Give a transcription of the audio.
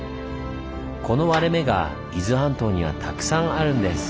この割れ目が伊豆半島にはたくさんあるんです。